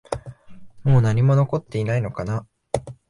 もう何も残っていないのかな？